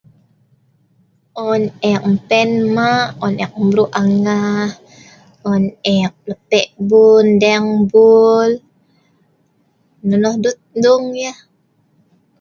On eek mpen ma', on eek mrue' angah, on eek lepe' bul ndeeng bul nonoh duet duung yeh.